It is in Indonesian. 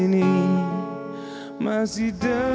berat zai berat